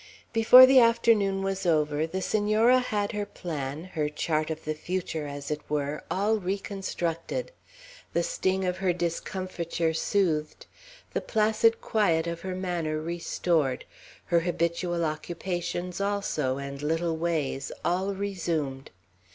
Before the afternoon was over, the Senora had her plan, her chart of the future, as it were, all reconstructed; the sting of her discomfiture soothed; the placid quiet of her manner restored; her habitual occupations also, and little ways, all resumed.